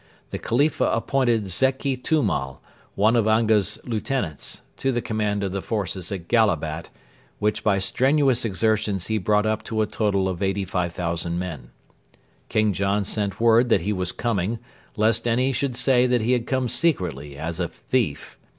The Khalifa appointed Zeki Tummal, one of Anga's lieutenants, to the command of the forces at Gallabat, which by strenuous exertions he brought up to a total of 85,000 men. King John sent word that he was coming, lest any should say that he had come secretly as a thief.